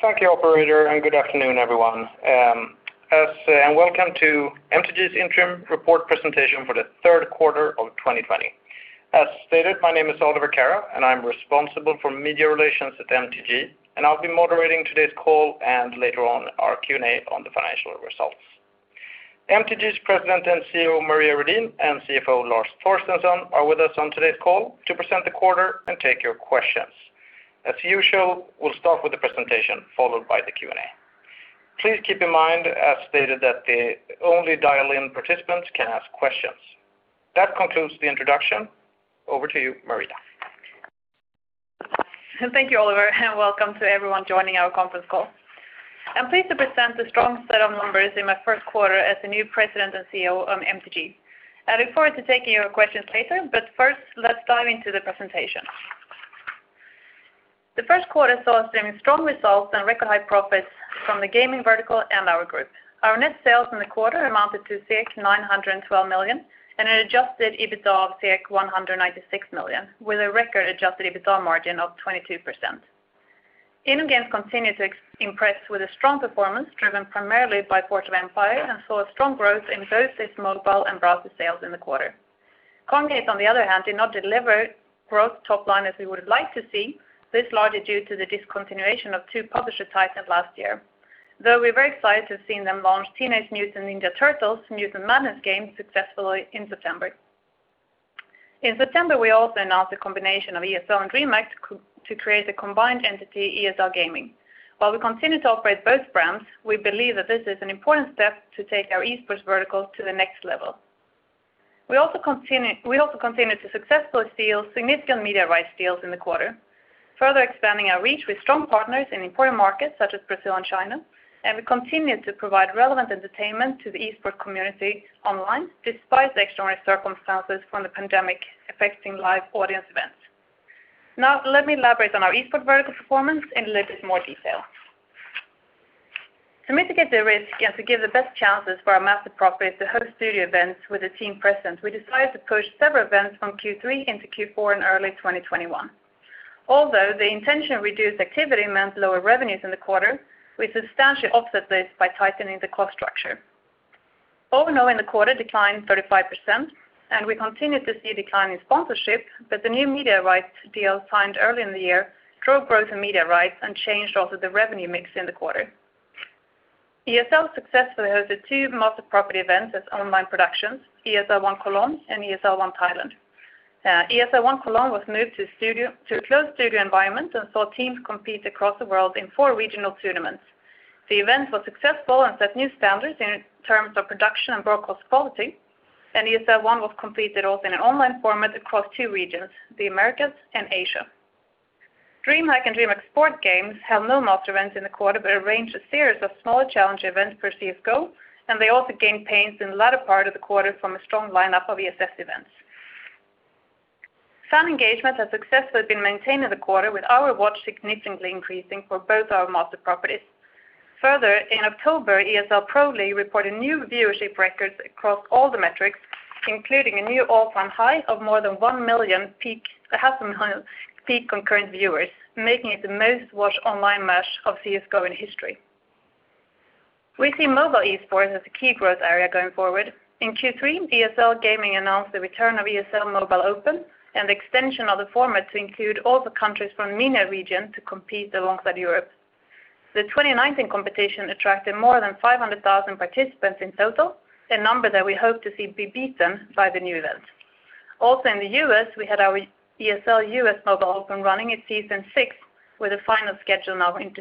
Thank you, operator, and good afternoon, everyone, and welcome to MTG's interim report presentation for the third quarter of 2020. As stated, my name is Oliver Carrà, and I'm responsible for media relations at MTG, and I'll be moderating today's call and later on our Q&A on the financial results. MTG's President and CEO, Maria Redin, and CFO, Lars Torstensson, are with us on today's call to present the quarter and take your questions. As usual, we'll start with the presentation, followed by the Q&A. Please keep in mind, as stated, that the only dial-in participants can ask questions. That concludes the introduction. Over to you, Maria. Thank you, Oliver, and welcome to everyone joining our conference call. I'm pleased to present a strong set of numbers in my first quarter as the new President and CEO of MTG. I look forward to taking your questions later, but first let's dive into the presentation. The first quarter saw us bringing strong results and record high profits from the gaming vertical and our group. Our net sales in the quarter amounted to 912 million and an adjusted EBITDA of 196 million, with a record adjusted EBITDA margin of 22%. InnoGames continued to impress with a strong performance driven primarily by Forge of Empires and saw a strong growth in both its mobile and browser sales in the quarter. Kongregate, on the other hand, did not deliver growth top line as we would like to see. This is largely due to the discontinuation of two publisher titles last year. Though we're very excited to have seen them launch Teenage Mutant Ninja Turtles: Mutant Madness game successfully in September. In September, we also announced the combination of ESL and DreamHack to create a combined entity, ESL Gaming. While we continue to operate both brands, we believe that this is an important step to take our esports vertical to the next level. We also continued to successfully seal significant media rights deals in the quarter, further expanding our reach with strong partners in important markets such as Brazil and China. We continued to provide relevant entertainment to the esports community online, despite the extraordinary circumstances from the pandemic affecting live audience events. Now let me elaborate on our esports vertical performance in a little bit more detail. To mitigate the risk and to give the best chances for our master properties to host studio events with a team present, we decided to push several events from Q3 into Q4 and early 2021. Although the intention reduced activity meant lower revenues in the quarter, we substantially offset this by tightening the cost structure. Overall in the quarter declined 35%. We continued to see a decline in sponsorship. The new media rights deal signed early in the year drove growth in media rights and changed also the revenue mix in the quarter. ESL successfully hosted two master property events as online productions, ESL One Cologne and ESL One Thailand. ESL One Cologne was moved to a closed studio environment and saw teams compete across the world in four regional tournaments. The event was successful and set new standards in terms of production and broadcast quality. ESL One was completed also in an online format across two regions, the Americas and Asia. DreamHack and DreamHack Sports Games held no master events in the quarter, but arranged a series of smaller challenge events for CSGO, and they also gained traction in the latter part of the quarter from a strong lineup of ESL events. Fan engagement has successfully been maintained in the quarter with hour watched significantly increasing for both our master properties. Further, in October, ESL Pro League reported new viewership records across all the metrics, including a new all-time high of more than one million peak concurrent viewers, making it the most watched online match of CSGO in history. We see mobile esports as a key growth area going forward. In Q3, ESL Gaming announced the return of ESL Mobile Open and the extension of the format to include all the countries from MENA region to compete alongside Europe. The 2019 competition attracted more than 500,000 participants in total, a number that we hope to see be beaten by the new event. Also in the U.S., we had our ESL US Mobile Open running its season six with a final schedule now in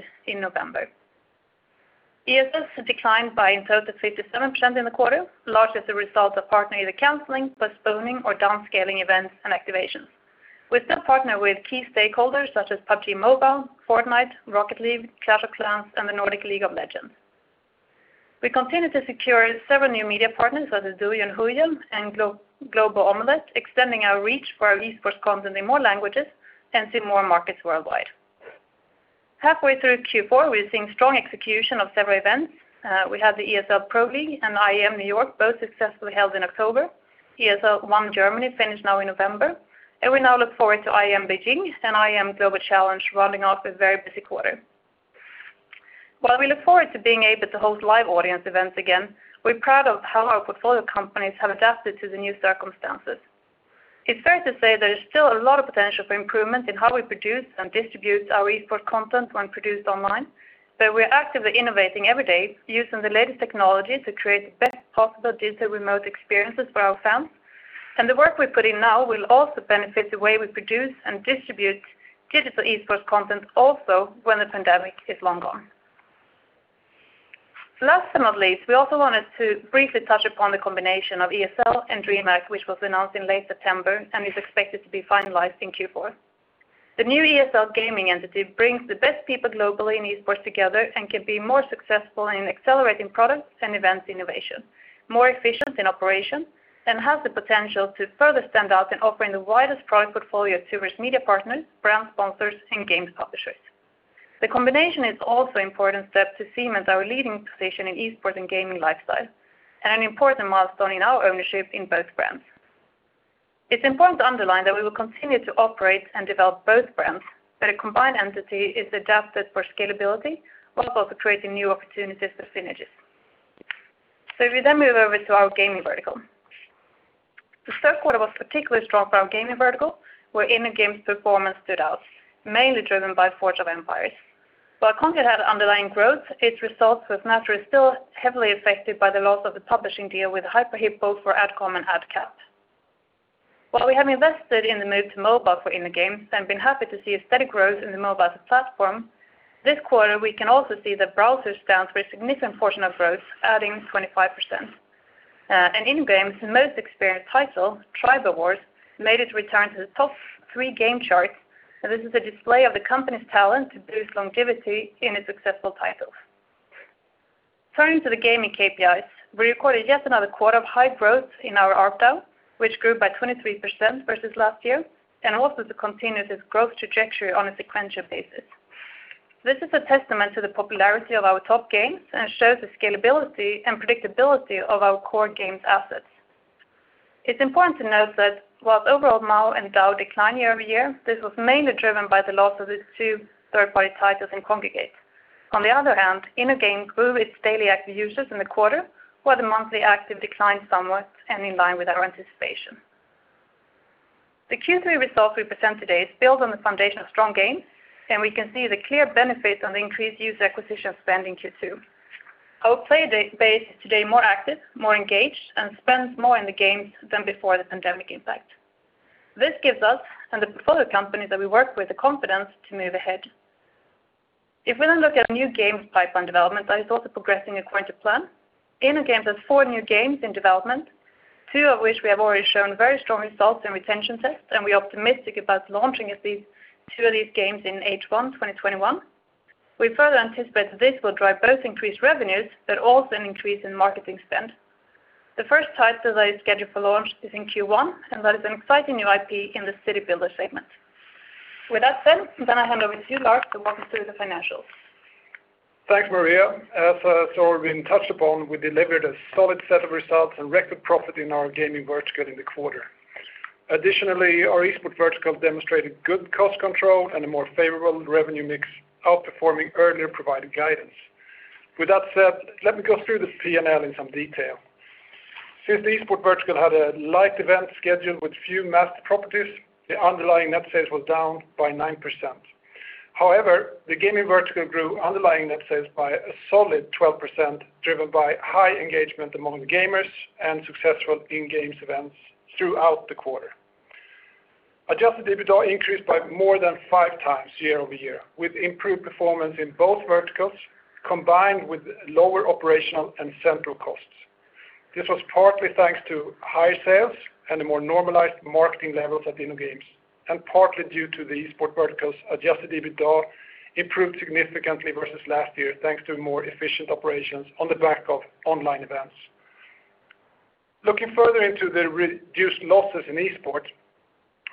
November. ESL declined by in total 57% in the quarter, largely as a result of canceling, postponing, or downscaling events and activations. We still partner with key stakeholders such as PUBG MOBILE, Fortnite, Rocket League, Clash of Clans, and the Nordic League of Legends Championship. We continue to secure several new media partners such as DouYu and Huya and Global Omlet, extending our reach for our esports content in more languages and to more markets worldwide. Halfway through Q4, we are seeing strong execution of several events. We have the ESL Pro League and IEM New York both successfully held in October. ESL One Germany finished now in November. We now look forward to IEM Beijing and IEM Global Challenge rounding off a very busy quarter. While we look forward to being able to host live audience events again, we're proud of how our portfolio companies have adapted to the new circumstances. It's fair to say there is still a lot of potential for improvement in how we produce and distribute our esports content when produced online, but we're actively innovating every day using the latest technology to create the best possible digital remote experiences for our fans. The work we put in now will also benefit the way we produce and distribute digital esports content also when the pandemic is long gone. Last but not least, we also wanted to briefly touch upon the combination of ESL and DreamHack, which was announced in late September and is expected to be finalized in Q4. The new ESL Gaming entity brings the best people globally in esports together and can be more successful in accelerating products and events innovation, more efficient in operation, and has the potential to further stand out in offering the widest product portfolio to various media partners, brand sponsors and games publishers. The combination is also important step to cement our leading position in esports and gaming lifestyle, and an important milestone in our ownership in both brands. It's important to underline that we will continue to operate and develop both brands, but a combined entity is adapted for scalability while also creating new opportunities for synergies. If we then move over to our gaming vertical. The third quarter was particularly strong for our gaming vertical, where InnoGames performance stood out, mainly driven by Forge of Empires. While Kongregate had underlying growth, its results were naturally still heavily affected by the loss of the publishing deal with Hyper Hippo for AdCom and AdCap. While we have invested in the move to mobile for InnoGames and been happy to see a steady growth in the mobile platform, this quarter we can also see that browsers account for a significant portion of growth, adding 25%. InnoGames' most experienced title, Tribal Wars, made its return to the top three game charts, and this is a display of the company's talent to boost longevity in its successful titles. Turning to the gaming KPIs, we recorded yet another quarter of high growth in our ARPDAU, which grew by 23% versus last year, and also continues its growth trajectory on a sequential basis. This is a testament to the popularity of our top games and shows the scalability and predictability of our core games assets. It's important to note that while overall MAU and DAU declined year-over-year, this was mainly driven by the loss of the two third-party titles in Kongregate. On the other hand, InnoGames grew its daily active users in the quarter, while the monthly active declined somewhat and in line with our anticipation. The Q3 results we present today is built on the foundation of strong gains, and we can see the clear benefits on the increased user acquisition spend in Q2. Our player base is today more active, more engaged, and spends more in the games than before the pandemic impact. This gives us and the portfolio companies that we work with the confidence to move ahead. If we then look at new games pipeline development, that is also progressing according to plan. InnoGames has four new games in development, two of which we have already shown very strong results in retention tests, and we are optimistic about launching two of these games in H1 2021. We further anticipate that this will drive both increased revenues but also an increase in marketing spend. The first title that is scheduled for launch is in Q1, and that is an exciting new IP in the city builder segment. With that said, then I hand over to you, Lars, to walk us through the financials. Thanks, Maria. As has already been touched upon, we delivered a solid set of results and record profit in our gaming vertical in the quarter. Additionally, our esports vertical demonstrated good cost control and a more favorable revenue mix, outperforming earlier provided guidance. With that said, let me go through this P&L in some detail. Since the esports vertical had a light event schedule with few mass properties, the underlying net sales was down by 9%. However, the gaming vertical grew underlying net sales by a solid 12%, driven by high engagement among the gamers and successful in-games events throughout the quarter. Adjusted EBITDA increased by more than five times year-over-year, with improved performance in both verticals, combined with lower operational and central costs. This was partly thanks to higher sales and the more normalized marketing levels at InnoGames, and partly due to the esports vertical's adjusted EBITDA improved significantly versus last year, thanks to more efficient operations on the back of online events. Looking further into the reduced losses in esports,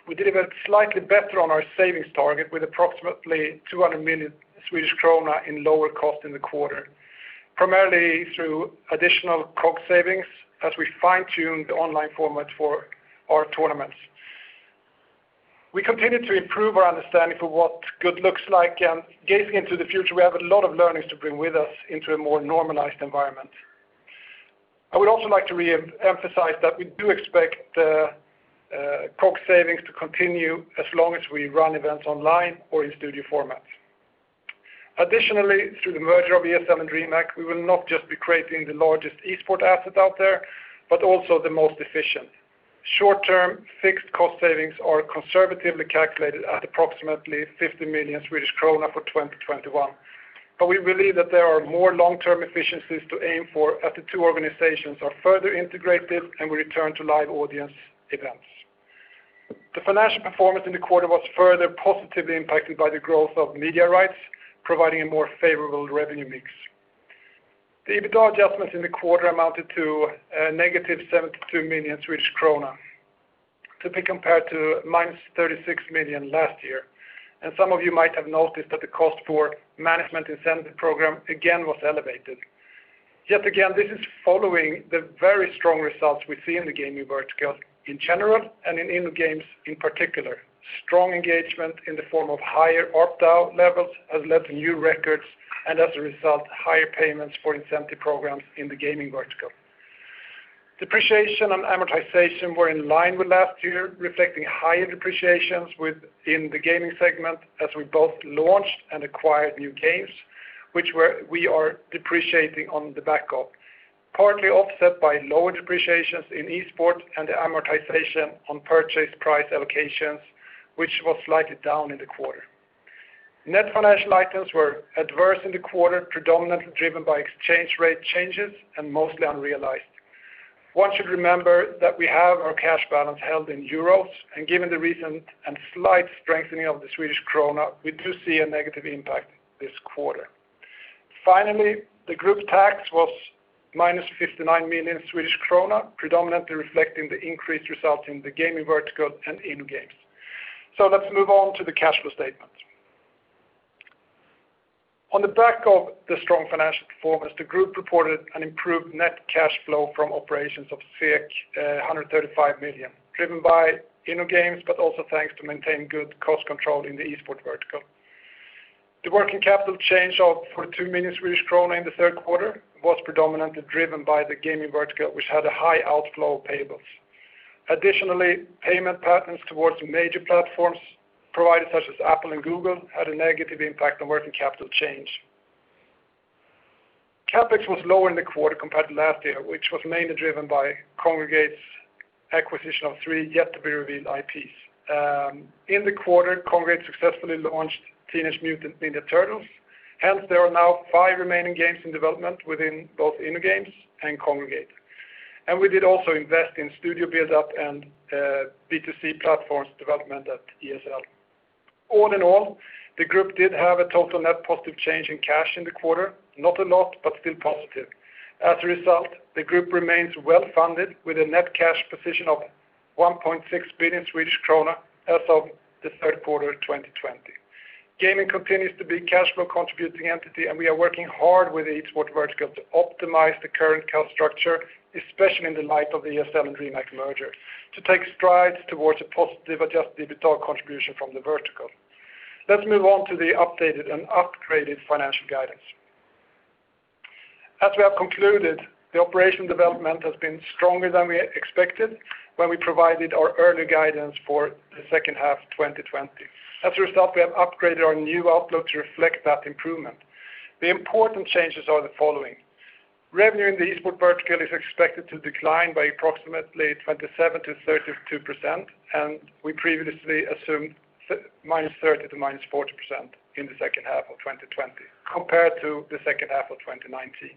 we delivered slightly better on our savings target with approximately 200 million Swedish krona in lower cost in the quarter, primarily through additional COGS savings as we fine-tuned the online format for our tournaments. Gazing into the future, we have a lot of learnings to bring with us into a more normalized environment. I would also like to re-emphasize that we do expect the COGS savings to continue as long as we run events online or in studio formats. Additionally, through the merger of ESL and DreamHack, we will not just be creating the largest esports asset out there, but also the most efficient. Short-term fixed cost savings are conservatively calculated at approximately 50 million Swedish krona for 2021. We believe that there are more long-term efficiencies to aim for as the two organizations are further integrated and we return to live audience events. The financial performance in the quarter was further positively impacted by the growth of media rights, providing a more favorable revenue mix. The EBITDA adjustments in the quarter amounted to a negative 72 million Swedish krona, to be compared to minus 36 million last year. Some of you might have noticed that the cost for management incentive program again was elevated. Yet again, this is following the very strong results we see in the gaming vertical in general and in InnoGames in particular. Strong engagement in the form of higher ARPDAU levels has led to new records and as a result, higher payments for incentive programs in the gaming vertical. Depreciation and amortization were in line with last year, reflecting higher depreciations within the gaming segment as we both launched and acquired new games, which we are depreciating on the back of, partly offset by lower depreciations in esports and the amortization on purchase price allocations, which was slightly down in the quarter. Net financial items were adverse in the quarter, predominantly driven by exchange rate changes and mostly unrealized. One should remember that we have our cash balance held in EUR, and given the recent and slight strengthening of the Swedish krona, we do see a negative impact this quarter. Finally, the group tax was minus 59 million Swedish krona, predominantly reflecting the increased results in the gaming vertical and InnoGames. Let's move on to the cash flow statement. On the back of the strong financial performance, the group reported an improved net cash flow from operations of 135 million, driven by InnoGames, but also thanks to maintaining good cost control in the esports vertical. The working capital change of 42 million Swedish krona in the third quarter was predominantly driven by the gaming vertical, which had a high outflow of payables. Additionally, payment patterns towards major platform providers such as Apple and Google had a negative impact on working capital change. CapEx was lower in the quarter compared to last year, which was mainly driven by Kongregate's acquisition of three yet-to-be-revealed IPs. In the quarter, Kongregate successfully launched Teenage Mutant Ninja Turtles, hence there are now five remaining games in development within both InnoGames and Kongregate. We did also invest in studio build-up and B2C platforms development at ESL. All in all, the group did have a total net positive change in cash in the quarter, not a lot, but still positive. As a result, the group remains well-funded with a net cash position of 1.6 billion Swedish kronor as of the third quarter of 2020. Gaming continues to be a cash flow contributing entity, and we are working hard with the esports vertical to optimize the current cost structure, especially in light of the ESL and DreamHack merger, to take strides towards a positive adjusted EBITDA contribution from the vertical. Let's move on to the updated and upgraded financial guidance. As we have concluded, the operation development has been stronger than we expected when we provided our earlier guidance for the second half 2020. As a result, we have upgraded our new outlook to reflect that improvement. The important changes are the following. Revenue in the esports vertical is expected to decline by approximately 27%-32%. We previously assumed -30%--40% in the second half of 2020 compared to the second half of 2019.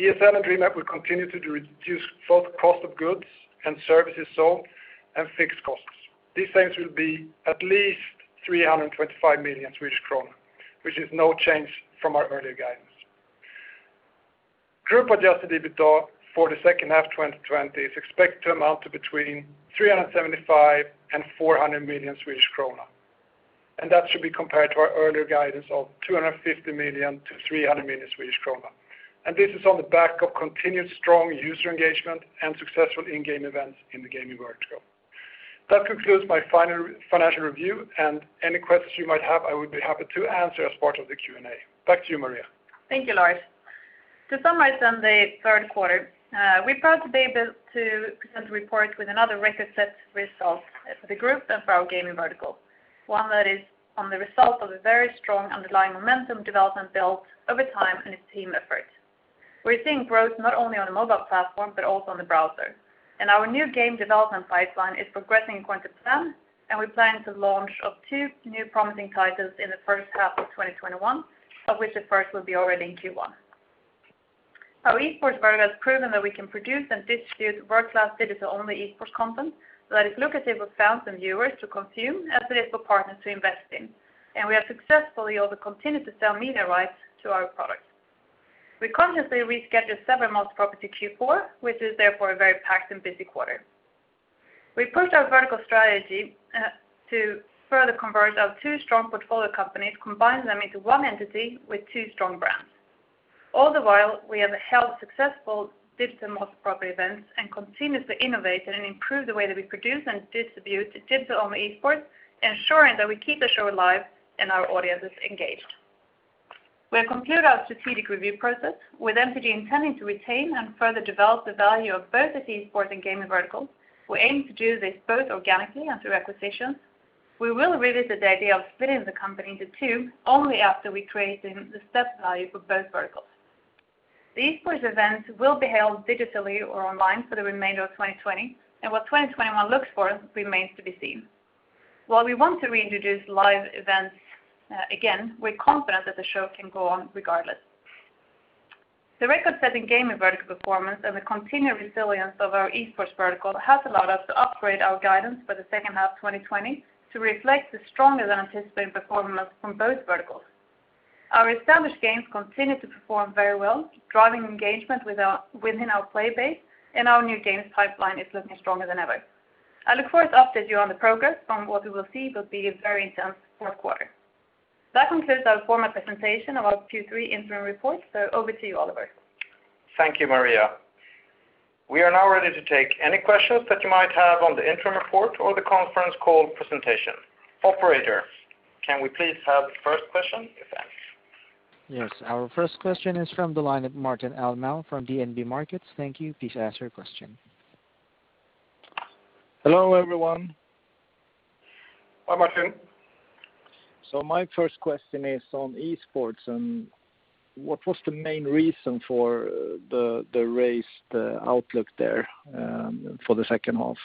ESL and DreamHack will continue to reduce both cost of goods and services sold and fixed costs. These savings will be at least 325 million Swedish kronor, which is no change from our earlier guidance. Group adjusted EBITDA for the second half 2020 is expected to amount to between 375 million and 400 million Swedish krona. That should be compared to our earlier guidance of 250 million-300 million Swedish krona. This is on the back of continued strong user engagement and successful in-game events in the gaming vertical. That concludes my financial review, and any questions you might have, I would be happy to answer as part of the Q&A. Back to you, Maria. Thank you, Lars. To summarize on the third quarter, we're proud to be able to present a report with another record-set result for the group and for our gaming vertical. One that is on the result of a very strong underlying momentum development built over time and a team effort. We're seeing growth not only on the mobile platform, but also on the browser. Our new game development pipeline is progressing according to plan, and we plan to launch of two new promising titles in the first half of 2021, of which the first will be already in Q1. Our esports vertical has proven that we can produce and distribute world-class digital-only esports content that is lucrative for thousands of viewers to consume as it is for partners to invest in. We have successfully also continued to sell media rights to our products. We consciously rescheduled several esports to Q4, which is therefore a very packed and busy quarter. We pushed our vertical strategy to further converge our two strong portfolio companies, combine them into one entity with two strong brands. All the while, we have held successful digital esports events and continuously innovated and improved the way that we produce and distribute digital-only esports, ensuring that we keep the show alive and our audiences engaged. We have concluded our strategic review process with MTG intending to retain and further develop the value of both the esports and gaming verticals. We aim to do this both organically and through acquisitions. We will revisit the idea of splitting the company into two only after we've created the step value for both verticals. The esports events will be held digitally or online for the remainder of 2020, and what 2021 looks for remains to be seen. While we want to reintroduce live events again, we're confident that the show can go on regardless. The record-setting gaming vertical performance and the continued resilience of our esports vertical has allowed us to upgrade our guidance for the second half 2020 to reflect the stronger-than-anticipated performance from both verticals. Our established games continue to perform very well, driving engagement within our play base, and our new games pipeline is looking stronger than ever. I look forward to update you on the progress from what we will see will be a very intense fourth quarter. That concludes our formal presentation of our Q3 interim report, so over to you, Oliver. Thank you, Maria. We are now ready to take any questions that you might have on the interim report or the conference call presentation. Operator, can we please have the first question, if any? Yes, our first question is from the line of Martin Arnell from DNB Markets. Thank you. Please ask your question. Hello, everyone. Hi, Martin. My first question is on esports, what was the main reason for the raised outlook there for the second half?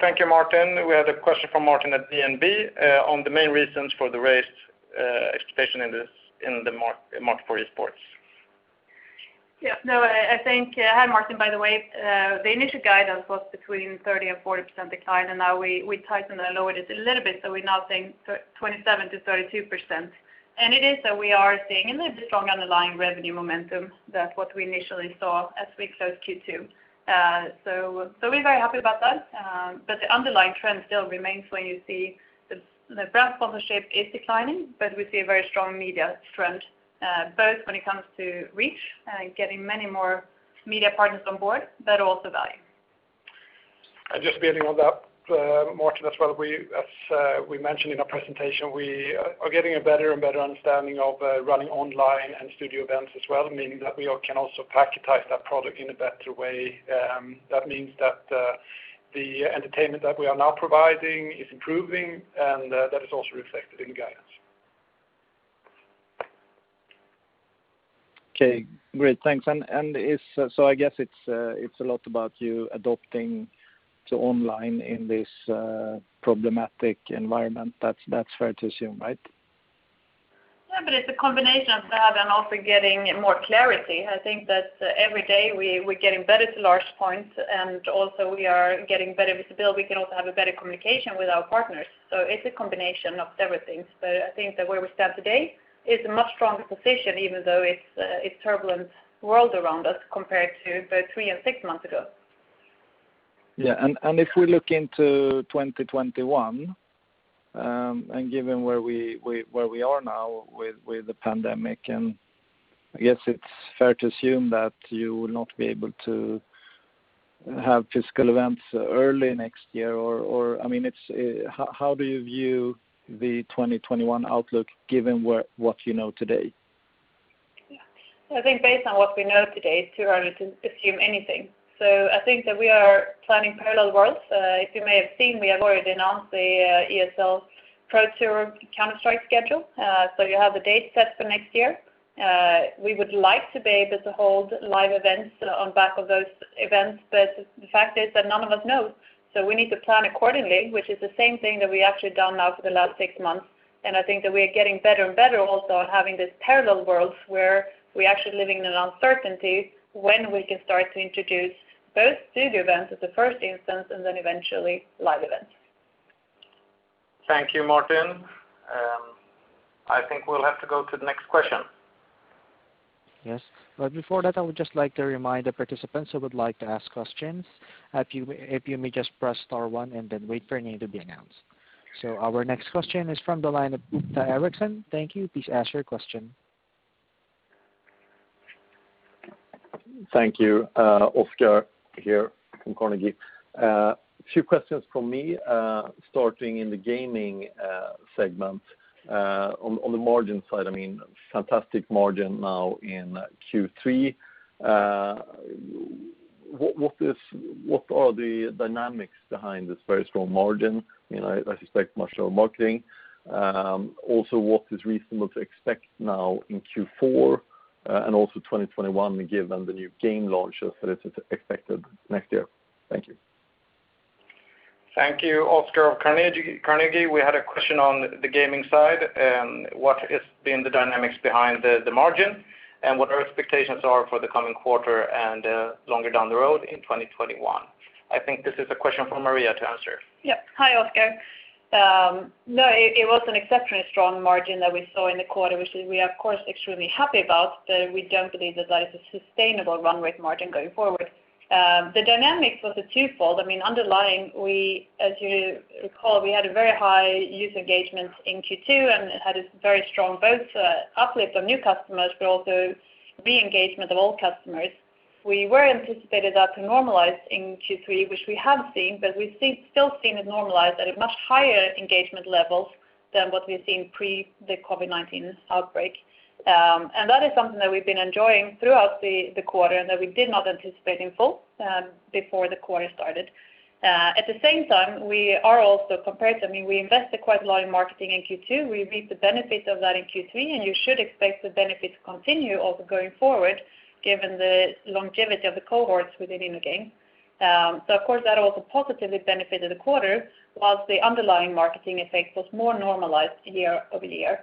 Thank you, Martin. We have a question from Martin at DNB on the main reasons for the raised expectation in the market for esports. Yeah, no. Hi, Martin, by the way. The initial guidance was between 30% and 40% decline. Now we tightened and lowered it a little bit. We are now saying 27% to 32%. It is that we are seeing a strong underlying revenue momentum that what we initially saw as we closed Q2. We are very happy about that. The underlying trend still remains where you see the brand sponsorship is declining, but we see a very strong media trend, both when it comes to reach and getting many more media partners on board, but also value. Just building on that, Martin, as well, as we mentioned in our presentation, we are getting a better and better understanding of running online and studio events as well, meaning that we all can also packetize that product in a better way. That means that the entertainment that we are now providing is improving, and that is also reflected in the guidance. Okay, great. Thanks. I guess it's a lot about you adopting to online in this problematic environment. That's fair to assume, right? It's a combination of that and also getting more clarity. I think that every day we're getting better to Lars' point, and also we are getting better visibility. We can also have a better communication with our partners. It's a combination of several things, but I think that where we stand today is a much stronger position, even though it's a turbulent world around us compared to both three and six months ago. Yeah, if we look into 2021, and given where we are now with the pandemic, and I guess it's fair to assume that you will not be able to have physical events early next year or, how do you view the 2021 outlook given what you know today? Yeah. I think based on what we know today, it's too early to assume anything. I think that we are planning parallel worlds. If you may have seen, we have already announced the ESL Pro Tour Counter-Strike schedule. You have the date set for next year. We would like to be able to hold live events on back of those events, but the fact is that none of us know. We need to plan accordingly, which is the same thing that we've actually done now for the last six months, and I think that we are getting better and better also at having these parallel worlds where we're actually living in an uncertainty when we can start to introduce both studio events as a first instance, and then eventually live events. Thank you, Martin. I think we'll have to go to the next question. Yes. Before that, I would just like to remind the participants who would like to ask questions, if you may just press star one and wait for your name to be announced. Our next question is from the line of Oscar Erixon. Thank you. Please ask your question. Thank you. Oscar here from Carnegie. A few questions from me, starting in the gaming segment, on the margin side, fantastic margin now in Q3. What are the dynamics behind this very strong margin? I suspect much of marketing. Also what is reasonable to expect now in Q4 and also 2021 given the new game launches that is expected next year? Thank you. Thank you, Oscar of Carnegie. We had a question on the gaming side. What has been the dynamics behind the margin, and what our expectations are for the coming quarter and longer down the road in 2021. I think this is a question for Maria to answer. Yep. Hi, Oscar. No, it was an exceptionally strong margin that we saw in the quarter, which we are of course extremely happy about, though we don't believe that that is a sustainable run rate margin going forward. The dynamics was a twofold. Underlying, as you recall, we had a very high user engagement in Q2 and had a very strong both uplift of new customers, but also re-engagement of old customers. We were anticipated that to normalize in Q3, which we have seen, we've still seen it normalize at a much higher engagement level than what we've seen pre the COVID-19 outbreak. That is something that we've been enjoying throughout the quarter, and that we did not anticipate in full before the quarter started. At the same time, we are also we invested quite a lot in marketing in Q2. We reaped the benefits of that in Q3, and you should expect the benefit to continue also going forward given the longevity of the cohorts within InnoGames. Of course, that also positively benefited the quarter whilst the underlying marketing effect was more normalized year-over-year.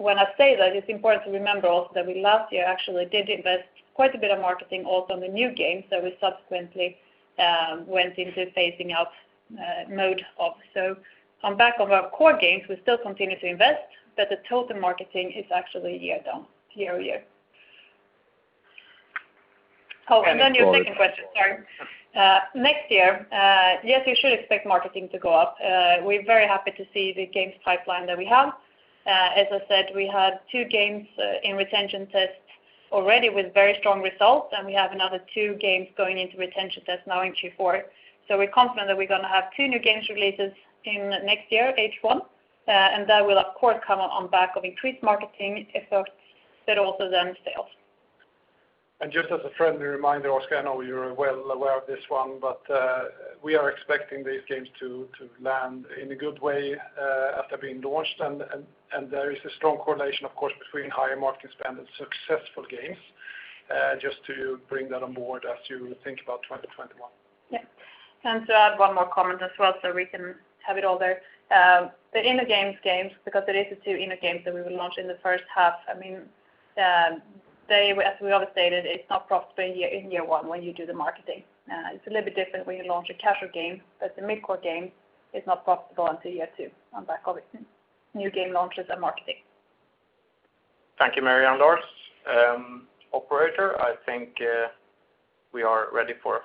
When I say that, it's important to remember also that we last year actually did invest quite a bit of marketing also on the new games that we subsequently went into phasing out mode of. On back of our core games, we still continue to invest, but the total marketing is actually year down year-over-year. Your second question, sorry. Next year, yes, you should expect marketing to go up. We're very happy to see the games pipeline that we have. As I said, we had two games in retention tests already with very strong results, and we have another two games going into retention tests now in Q4. We're confident that we're going to have two new games releases in next year, H1. That will of course come on back of increased marketing efforts that also then sales. Just as a friendly reminder, Oscar, I know you're well aware of this one, but we are expecting these games to land in a good way after being launched, and there is a strong correlation of course, between higher marketing spend and successful games. Just to bring that on board as you think about 2021. Yeah. To add one more comment as well so we can have it all there. The InnoGames games, because it is the two InnoGames that we will launch in the first half, I mean, as we always stated, it's not profitable in year one when you do the marketing. It's a little bit different when you launch a casual game, but the mid-core game is not profitable until year two on back of new game launches and marketing. Thank you, Maria and Lars. Operator, I think we are ready for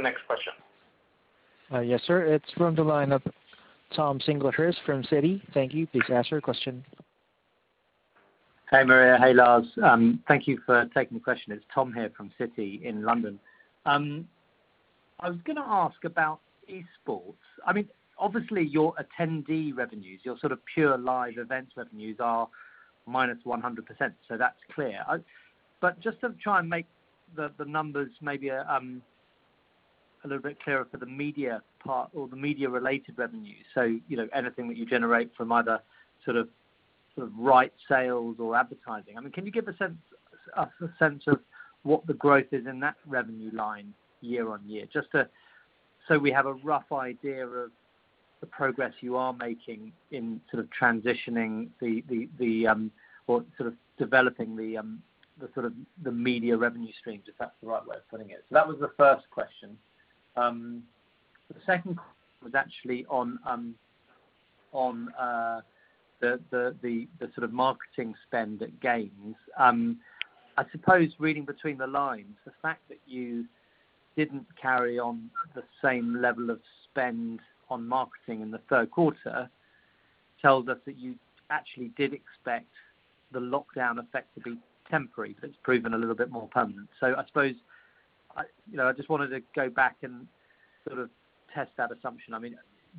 next question. Yes, sir. It's from the line of Thomas Singlehurst from Citi. Thank you. Please ask your question. Hey, Maria. Hey, Lars. Thank you for taking the question. It's Tom here from Citi in London. I was going to ask about esports. Obviously, your attendee revenues, your pure live events revenues are -100%, so that's clear. Just to try and make the numbers maybe a little bit clearer for the media part or the media-related revenues, so anything that you generate from either sort of right sales or advertising. Can you give us a sense of what the growth is in that revenue line year-on-year, just so we have a rough idea of the progress you are making in transitioning or developing the media revenue streams, if that's the right way of putting it? That was the first question. The second was actually on the sort of marketing spend at games. I suppose reading between the lines, the fact that you didn't carry on the same level of spend on marketing in the third quarter tells us that you actually did expect the lockdown effect to be temporary, but it's proven a little bit more permanent. I suppose, I just wanted to go back and sort of test that assumption.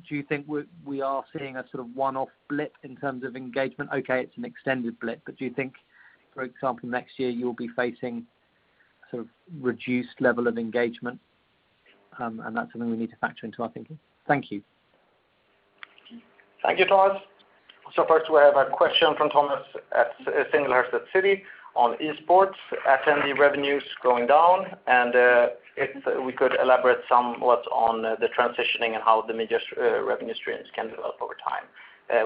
Do you think we are seeing a sort of one-off blip in terms of engagement? Okay, it's an extended blip, but do you think, for example, next year you'll be facing sort of reduced level of engagement, and that's something we need to factor into our thinking? Thank you. Thank you, Tom. First we have a question from Thomas at Citi on esports, attendee revenues going down, and if we could elaborate somewhat on the transitioning and how the media revenue streams can develop over time.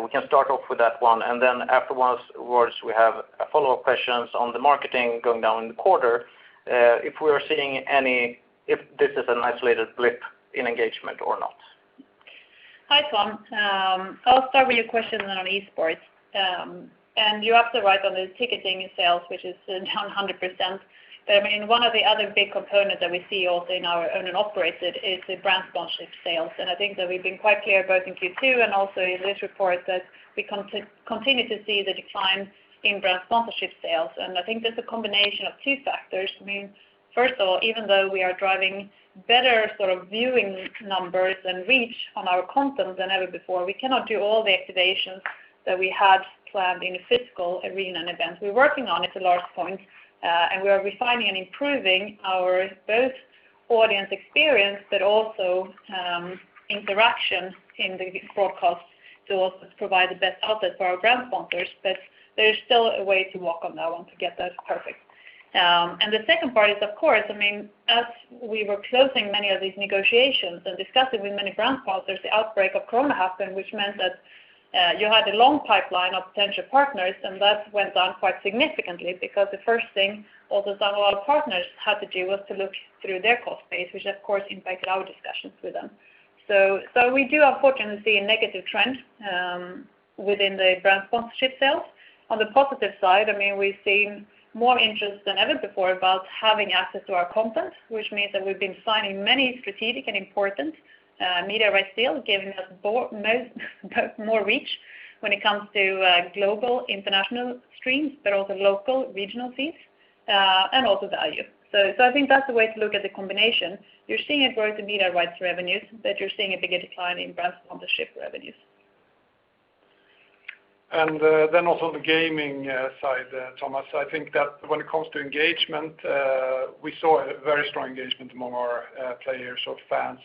We can start off with that one, and then afterwards we have follow-up questions on the marketing going down in the quarter, if this is an isolated blip in engagement or not. Hi, Tom. I'll start with your question on esports. You're absolutely right on the ticketing sales, which is down 100%. One of the other big components that we see also in our own and operated is the brand sponsorship sales. I think that we've been quite clear both in Q2 and also in this report that we continue to see the decline in brand sponsorship sales, and I think that's a combination of two factors. First of all, even though we are driving better viewing numbers and reach on our content than ever before, we cannot do all the activations that we had planned in a physical arena and event. We're working on it, to Lars' point, and we are refining and improving our both audience experience, but also interaction in the broadcast to also provide the best output for our brand sponsors. There is still a way to walk on that one to get that perfect. The second part is, of course, as we were closing many of these negotiations and discussing with many brand sponsors, the outbreak of COVID happened, which meant that you had a long pipeline of potential partners, and that went down quite significantly because the first thing also some of our partners had to do was to look through their cost base, which of course impacted our discussions with them. We do, unfortunately, see a negative trend within the brand sponsorship sales. On the positive side, we've seen more interest than ever before about having access to our content, which means that we've been signing many strategic and important media rights deals, giving us more reach when it comes to global international streams, but also local regional feeds, and also value. I think that's the way to look at the combination. You're seeing a growth in media rights revenues, but you're seeing a bigger decline in brand sponsorship revenues. Also the gaming side, Thomas, I think that when it comes to engagement, we saw a very strong engagement among our players or fans,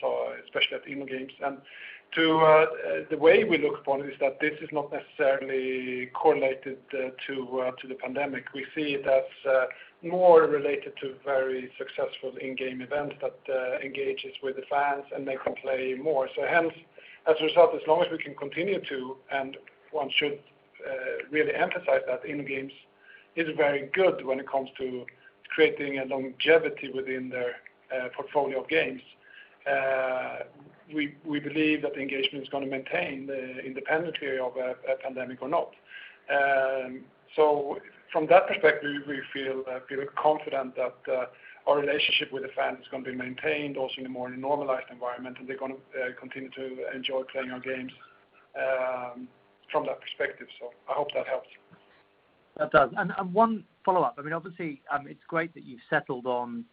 especially at InnoGames. The way we look upon it is that this is not necessarily correlated to the pandemic. We see it as more related to very successful in-game events that engages with the fans, and they can play more. Hence, as a result, as long as we can continue to, one should really emphasize that InnoGames is very good when it comes to creating a longevity within their portfolio of games. We believe that the engagement is going to maintain independently of a pandemic or not. From that perspective, we feel confident that our relationship with the fans is going to be maintained also in a more normalized environment, and they’re going to continue to enjoy playing our games from that perspective. I hope that helps. That does. One follow-up. Obviously, it's great that you've settled on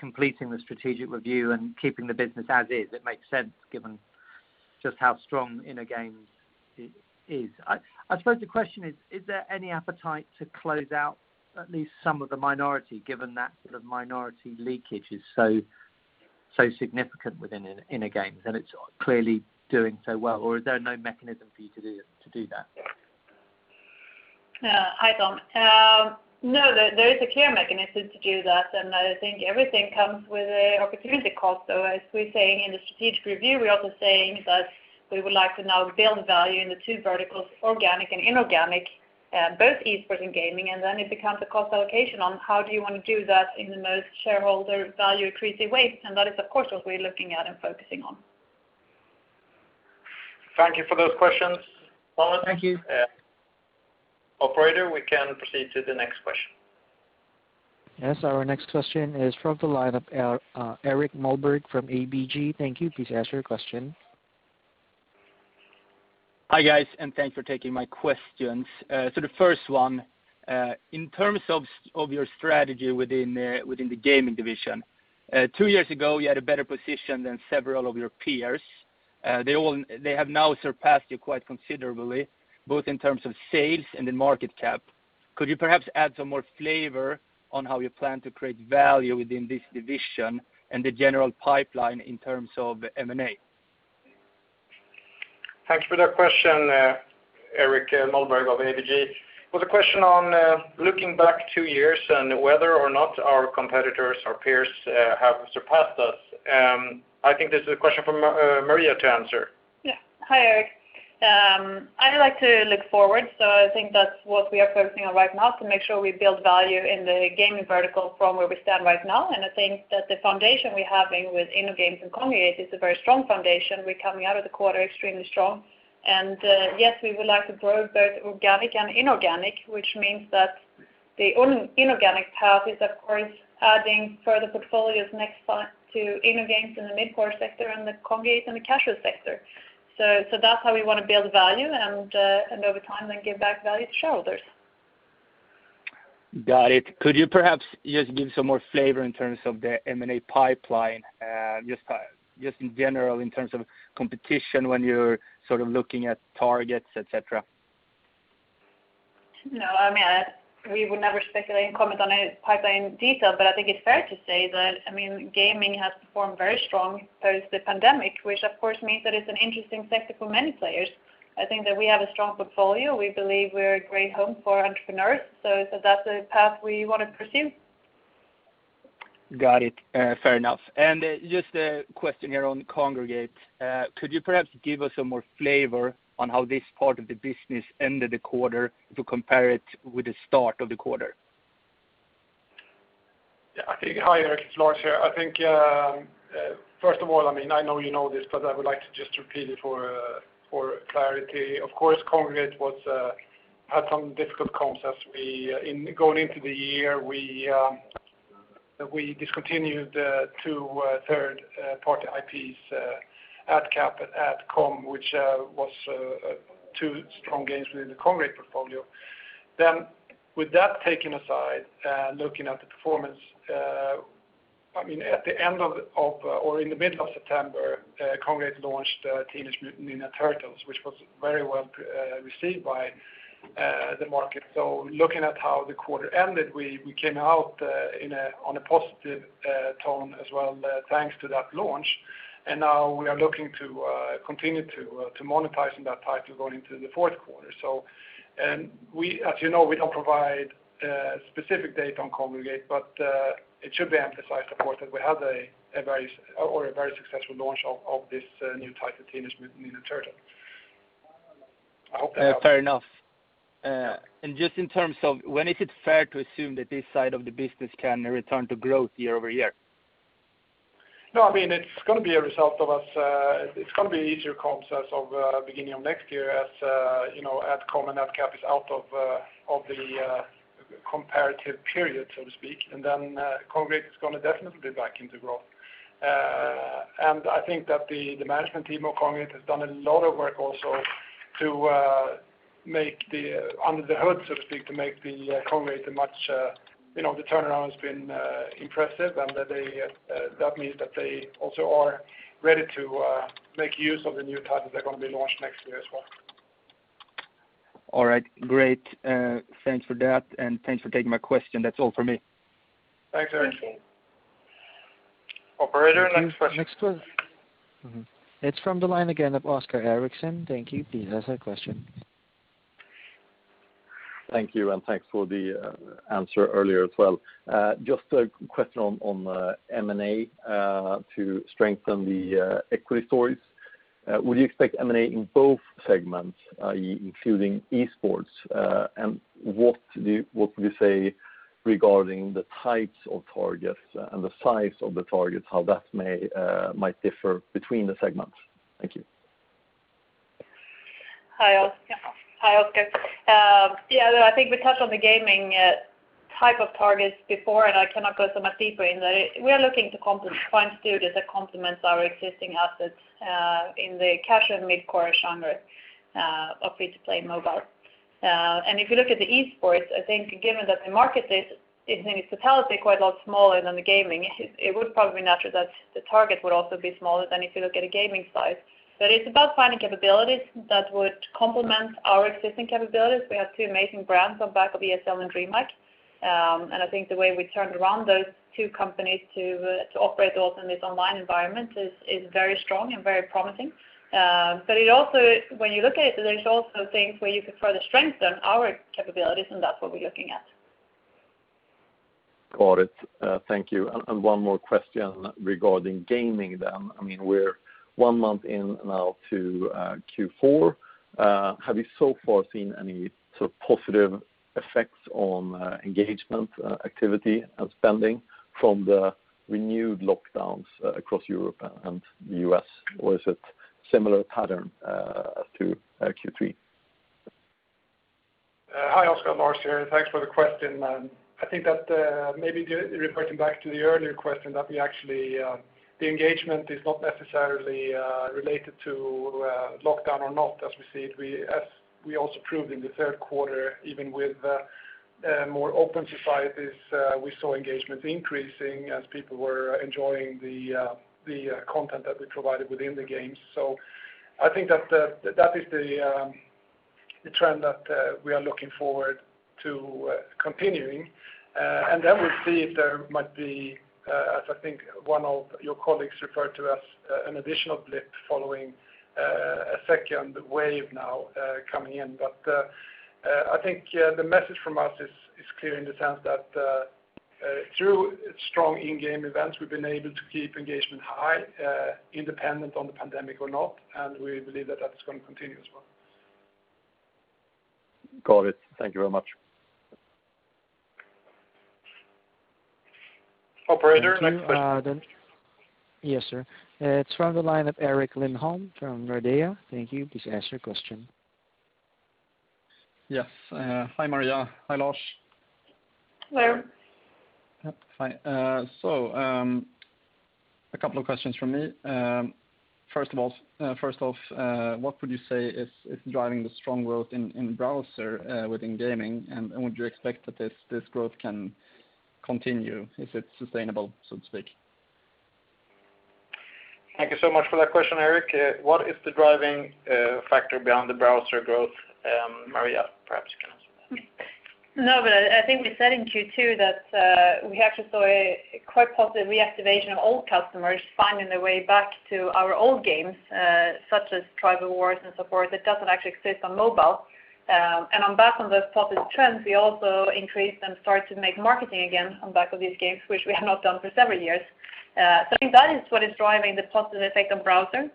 completing the strategic review and keeping the business as is. It makes sense given just how strong InnoGames is. I suppose the question is there any appetite to close out at least some of the minority, given that sort of minority leakage is so significant within InnoGames, and it's clearly doing so well, or is there no mechanism for you to do that? Hi, Tom. No, there is a clear mechanism to do that, and I think everything comes with an opportunity cost, though, as we're saying in the strategic review, we are also saying that we would like to now build value in the two verticals, organic and inorganic-Both esports and gaming, and then it becomes a cost allocation on how do you want to do that in the most shareholder value accretive way, and that is, of course, what we're looking at and focusing on. Thank you for those questions. Thank you. Operator, we can proceed to the next question. Yes, our next question is from the line of Erik Moberg from ABG. Thank you. Please ask your question. Hi, guys, thanks for taking my questions. The first one, in terms of your strategy within the gaming division, two years ago, you had a better position than several of your peers. They have now surpassed you quite considerably, both in terms of sales and in market cap. Could you perhaps add some more flavor on how you plan to create value within this division and the general pipeline in terms of M&A? Thanks for that question, Erik Moberg of ABG. Well, the question on looking back two years and whether or not our competitors or peers have surpassed us, I think this is a question for Maria to answer. Yeah. Hi, Erik. I like to look forward. I think that's what we are focusing on right now to make sure we build value in the gaming vertical from where we stand right now. I think that the foundation we have with InnoGames and Kongregate is a very strong foundation. We're coming out of the quarter extremely strong. Yes, we would like to grow both organic and inorganic, which means that the inorganic path is, of course, adding further portfolios next to InnoGames in the mid-core sector and the Kongregate in the casual sector. That's how we want to build value and over time, then give back value to shareholders. Got it. Could you perhaps just give some more flavor in terms of the M&A pipeline, just in general in terms of competition when you're sort of looking at targets, et cetera? We would never speculate and comment on a pipeline detail, but I think it's fair to say that gaming has performed very strong post the pandemic, which, of course, means that it's an interesting sector for many players. I think that we have a strong portfolio. We believe we're a great home for entrepreneurs, so that's a path we want to pursue. Got it. Fair enough. Just a question here on Kongregate, could you perhaps give us some more flavor on how this part of the business ended the quarter to compare it with the start of the quarter? Yeah. Hi, Erik. Lars here. I think, first of all, I know you know this, I would like to just repeat it for clarity. Of course, Kongregate had some difficult comps as we, going into the year, we discontinued two third-party IPs, AdCap and AdCom, which was two strong games within the Kongregate portfolio. With that taken aside, looking at the performance, at the end of or in the middle of September, Kongregate launched Teenage Mutant Ninja Turtles, which was very well received by the market. Looking at how the quarter ended, we came out on a positive tone as well, thanks to that launch, and now we are looking to continue to monetizing that title going into the fourth quarter. As you know, we don't provide specific data on Kongregate, but it should be emphasized, of course, that we had a very successful launch of this new title, Teenage Mutant Ninja Turtles. I hope that helped. Fair enough. Just in terms of when is it fair to assume that this side of the business can return to growth year-over-year? No, it's going to be easier comps as of beginning of next year as AdCom and AdCap is out of the comparative period, so to speak, and then Kongregate is going to definitely be back into growth. I think that the management team of Kongregate has done a lot of work also to make the under the hood, so to speak, to make the Kongregate. The turnaround has been impressive, and that means that they also are ready to make use of the new titles that are going to be launched next year as well. All right, great. Thanks for that, and thanks for taking my question. That is all for me. Thanks, Erik. Thank you. Operator, next question. Next one. It's from the line again of Oscar Erixon. Thank you. Please ask your question. Thank you, and thanks for the answer earlier as well. Just a question on M&A to strengthen the equity stories. Would you expect M&A in both segments, including esports? And what would you say regarding the types of targets and the size of the targets, how that might differ between the segments? Thank you. Hi, Oscar. Yeah, I think we touched on the gaming type of targets before. I cannot go so much deeper in that. We are looking to find studios that complement our existing assets in the casual mid-core genre of free-to-play mobile. If you look at the esports, I think given that the market is in its totality quite a lot smaller than the gaming, it would probably be natural that the target would also be smaller than if you look at a gaming size. It's about finding capabilities that would complement our existing capabilities. We have two amazing brands on back of ESL and DreamHack. I think the way we turned around those two companies to operate also in this online environment is very strong and very promising. When you look at it, there's also things where you could further strengthen our capabilities, and that's what we're looking at. Got it. Thank you. One more question regarding gaming then. We're one month in now to Q4. Have you so far seen any sort of positive effects on engagement, activity, and spending from the renewed lockdowns across Europe and the U.S., or is it similar pattern as to Q3? Hi, Oscar. Lars here. Thanks for the question. I think that maybe referring back to the earlier question, that the engagement is not necessarily related to lockdown or not, as we see it. As we also proved in the third quarter, even with more open societies, we saw engagement increasing as people were enjoying the content that we provided within the games. I think that is the trend that we are looking forward to continuing. Then we'll see if there might be, as I think one of your colleagues referred to as an additional blip following a second wave now coming in. I think the message from us is clear in the sense that through strong in-game events, we've been able to keep engagement high, independent on the pandemic or not, and we believe that that's going to continue as well. Got it. Thank you very much. Operator, next question. Thank you. Yes, sir. It's from the line of Erik Lindholm-Röjestål from Nordea. Thank you. Please ask your question. Yes. Hi, Maria. Hi, Lars. Hello. Yep, fine. Two questions from me. First off, what would you say is driving the strong growth in browser within gaming? Would you expect that this growth can continue? Is it sustainable, so to speak? Thank you so much for that question, Erik. What is the driving factor behind the browser growth? Maria, perhaps you can answer that. I think we said in Q2 that we actually saw a quite positive reactivation of old customers finding their way back to our old games, such as Tribal Wars and so forth, that doesn't actually exist on mobile. On back on those positive trends, we also increased and start to make marketing again on back of these games, which we have not done for several years. I think that is what is driving the positive effect on browser.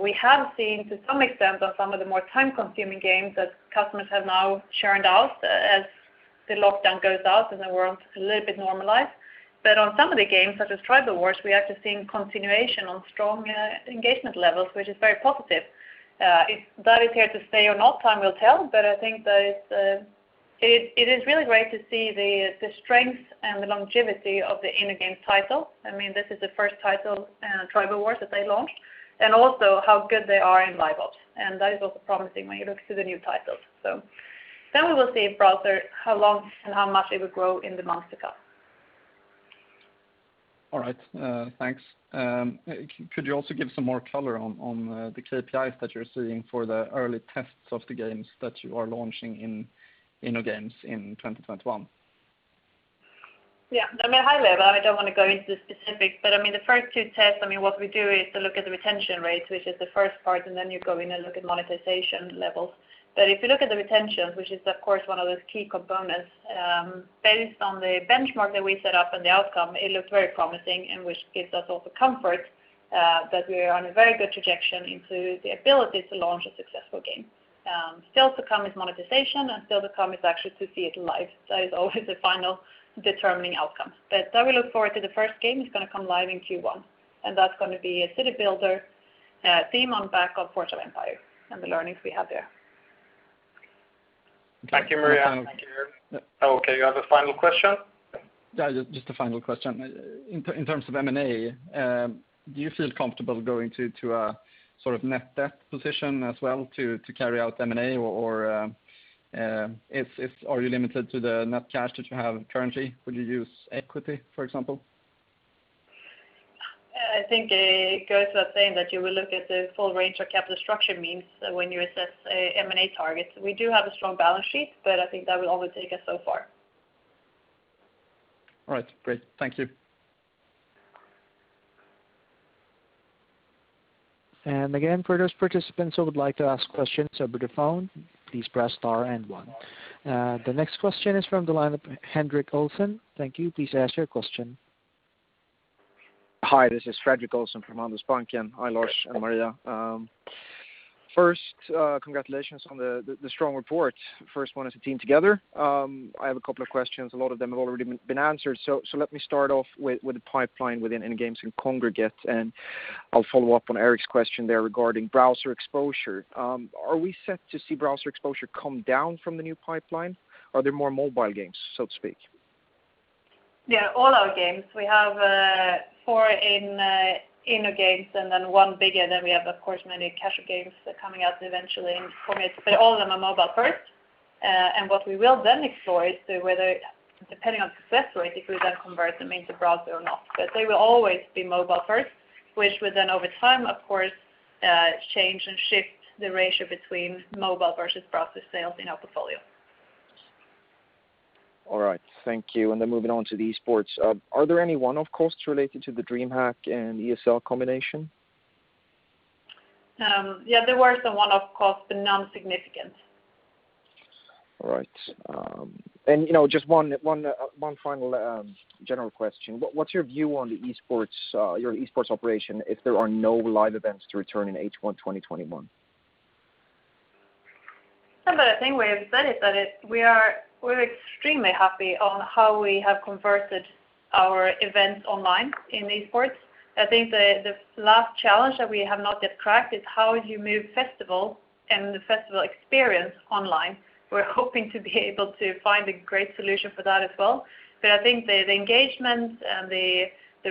We have seen to some extent on some of the more time-consuming games that customers have now churned out as the lockdown goes out and the world a little bit normalized. On some of the games, such as Tribal Wars, we have to seen continuation on strong engagement levels, which is very positive. If that is here to stay or not, time will tell. I think that it is really great to see the strength and the longevity of the InnoGames title. I mean, this is the first title, Tribal Wars, that they launched, and also how good they are in LiveOps, and that is also promising when you look to the new titles. We will see in browser how long and how much it will grow in the months to come. All right, thanks. Could you also give some more color on the KPIs that you're seeing for the early tests of the games that you are launching in InnoGames in 2021? I mean, high level, I don't want to go into specifics, the first two tests, what we do is to look at the retention rates, which is the first part, and then you go in and look at monetization levels. If you look at the retentions, which is of course one of those key components, based on the benchmark that we set up and the outcome, it looks very promising which gives us also comfort that we are on a very good trajectory into the ability to launch a successful game. Still to come is monetization. Still to come is actually to see it live. That is always the final determining outcome. I will look forward to the first game, it's going to come live in Q1, and that's going to be a city builder theme on the back of Forge of Empires and the learnings we have there. Thank you, Maria. Thank you, Erik. Okay, you have a final question? Yeah, just a final question. In terms of M&A, do you feel comfortable going to a sort of net debt position as well to carry out M&A, or are you limited to the net cash that you have currently? Would you use equity, for example? I think it goes without saying that you will look at the full range of capital structure means when you assess M&A targets. We do have a strong balance sheet. I think that will only take us so far. All right, great. Thank you. Again, for those participants who would like to ask questions over the phone, please press star one. The next question is from the line of Fredrik Olsson. Thank you. Please ask your question. Hi, this is Fredrik Olsson from Handelsbanken. Hi, Lars and Maria. First, congratulations on the strong report. First one as a team together. I have a couple of questions. A lot of them have already been answered, so let me start off with the pipeline within InnoGames and Kongregate, and I'll follow up on Erik's question there regarding browser exposure. Are we set to see browser exposure come down from the new pipeline? Are there more mobile games, so to speak? Yeah, all our games, we have four in InnoGames and then one bigger, then we have, of course, many casual games coming out eventually in Kongregate, but all of them are mobile first. What we will then explore is whether, depending on success rate, if we then convert them into browser or not. They will always be mobile first, which will then over time, of course, change and shift the ratio between mobile versus browser sales in our portfolio. All right, thank you. Moving on to the esports. Are there any one-off costs related to the DreamHack and ESL combination? Yeah, there were some one-off costs, but non-significant. All right. Just one final general question. What's your view on your esports operation if there are no live events to return in H1 2021? The thing we have said is that we're extremely happy on how we have converted our events online in esports. I think the last challenge that we have not yet cracked is how you move festival and the festival experience online. We're hoping to be able to find a great solution for that as well. I think the engagement and the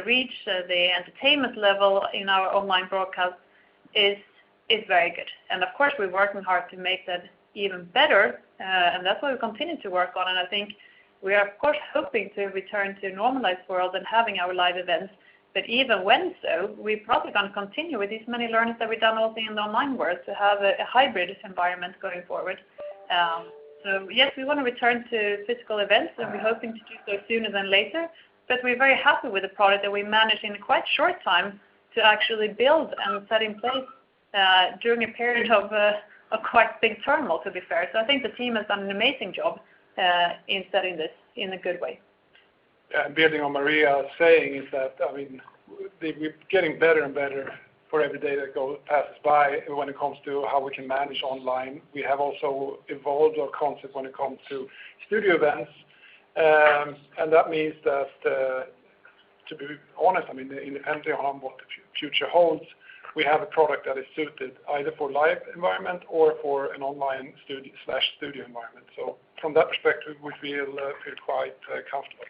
reach, the entertainment level in our online broadcast is very good. Of course, we're working hard to make that even better, and that's what we'll continue to work on. I think we are, of course, hoping to return to a normalized world and having our live events, but even when so, we probably going to continue with these many learnings that we've done also in the online world to have a hybrid environment going forward. Yes, we want to return to physical events, and we're hoping to do so sooner than later. We're very happy with the product that we managed in a quite short time to actually build and set in place during a period of a quite big turmoil, to be fair. I think the team has done an amazing job in setting this in a good way. Building on what Maria is saying is that, we're getting better and better for every day that passes by when it comes to how we can manage online. We have also evolved our concept when it comes to studio events. That means that, to be honest, independently on what the future holds, we have a product that is suited either for live environment or for an online/studio environment. From that perspective, we feel quite comfortable.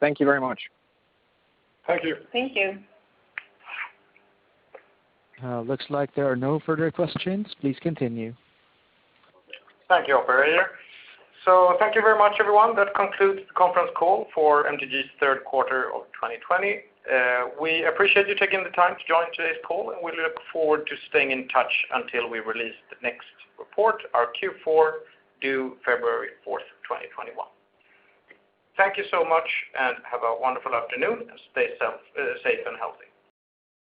Thank you very much. Thank you. Thank you. Looks like there are no further questions. Please continue. Thank you, operator. Thank you very much, everyone. That concludes the conference call for MTG's third quarter of 2020. We appreciate you taking the time to join today's call, and we look forward to staying in touch until we release the next report, our Q4, due February 4th, 2021. Thank you so much, and have a wonderful afternoon, and stay safe and healthy.